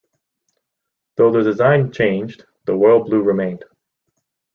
Though the design changed, the royal blue remained.